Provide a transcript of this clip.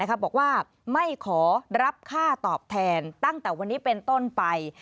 บอกว่าไม่ขอรับค่าตอบแทนตั้งแต่วันนี้เป็นต้นไป